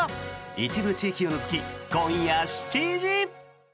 一部地域を除き、今夜７時！